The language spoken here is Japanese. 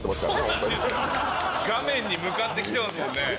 画面に向かってきてますもんね。